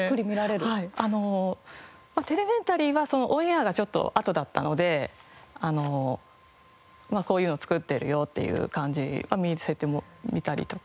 まあ『テレメンタリー』はオンエアがちょっとあとだったのでこういうの作ってるよっていう感じは見せてもみたりとか。